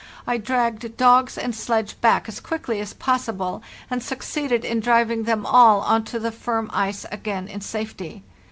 I dragged dogs and sledge back as quickly as possible, and succeeded in driving them all on to the firm ice again in safety.